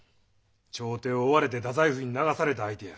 朝廷を追われて太宰府に流された相手や。